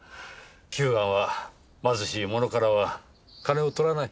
久庵は貧しい者からは金を取らない。